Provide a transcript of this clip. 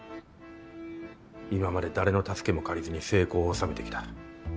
今まで誰の助けも借りずに成功を収めてきた。